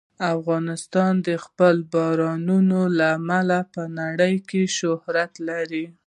افغانستان د خپلو بارانونو له امله په نړۍ کې شهرت لري.